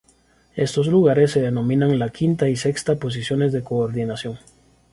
Estos lugares se denominan la quinta y sexta posiciones de coordinación.